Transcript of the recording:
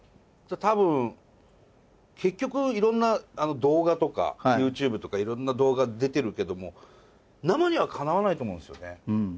たぶん結局いろんな動画とかＹｏｕＴｕｂｅとかいろんな動画出てるけども生にはかなわないと思うんです。